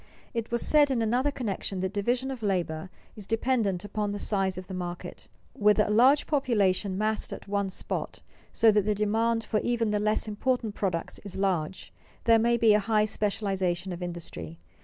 _ It was said in another connection that division of labor is dependent upon the size of the market. With a large population massed at one spot, so that the demand for even the less important products is large, there may be a high specialization of industry.